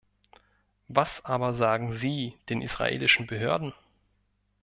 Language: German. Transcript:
Was aber sagen Sie den israelischen Behörden?